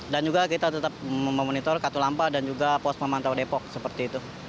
dan juga kita tetap memonitor katulampa dan juga pos memantau depok seperti itu